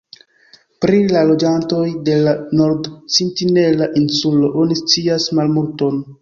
Pri la loĝantoj de la Nord-Sentinela Insulo oni scias malmulton.